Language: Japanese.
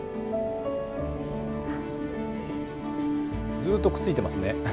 ずっとくっついてますね。